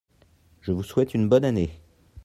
je vous souhaite une bonne année.